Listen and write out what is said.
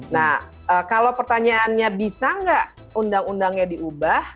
nah kalau pertanyaannya bisa nggak undang undangnya diubah